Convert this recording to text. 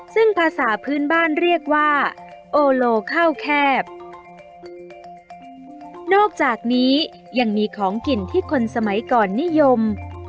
ซึ่งภาษาพื้นบ้านเรียกว่าโอโลข้าวแคบนอกจากนี้ยังมีของกินที่คนสมัยก่อนนิยม